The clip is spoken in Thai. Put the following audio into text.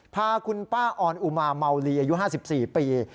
พาคุณป้าออนอุมาเมาลีอายุ๕๔ปี